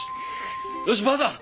よしばあさん